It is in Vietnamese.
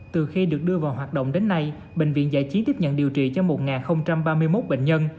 từ khi được đưa vào hoạt động đến nay bệnh viện giải trí tiếp nhận điều trị cho một ba mươi một bệnh nhân